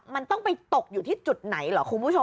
มันต้องไปตกอยู่ที่จุดไหนเหรอคุณผู้ชม